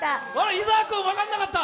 伊沢君分からなかった？